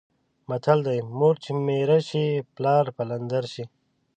متل دی: مور چې میره شي پلار پلندر شي.